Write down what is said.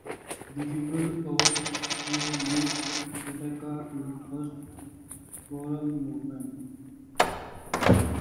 The fugal overture leads attacca to the first choral movement.